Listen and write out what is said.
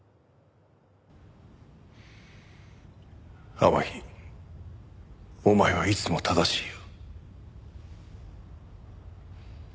天樹お前はいつも正しいよ。